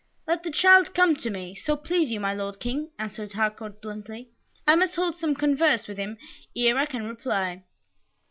"Let the child come to me, so please you, my Lord the King," answered Harcourt, bluntly. "I must hold some converse with him, ere I can reply."